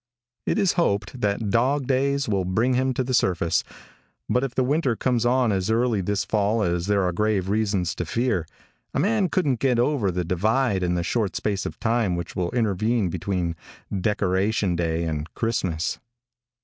It is hoped that dog days will bring him to the surface, but if the winter comes on as early this fall as there are grave reasons to fear, a man couldn't get over the divide in the short space of time which will intervene between Decoration day and Christmas.